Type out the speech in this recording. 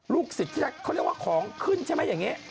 สิทธิ์ที่เขาเรียกว่าของขึ้นใช่ไหมอย่างนี้